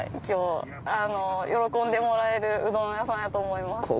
今日喜んでもらえるうどん屋さんやと思います。